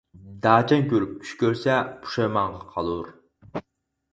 داچەن كۆرۈپ چۈش كۆرسە پۇشايمانغا قالۇر.